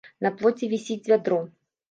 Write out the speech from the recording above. На плоце вісіць вядро.